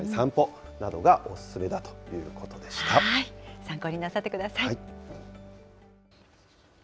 参考になさってください。